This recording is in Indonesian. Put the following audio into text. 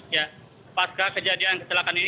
ya pasca kejadian kecelakaan ini